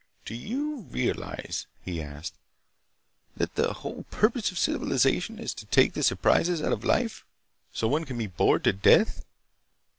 "Do you realize," he asked, "that the whole purpose of civilization is to take the surprises out of life, so one can be bored to death?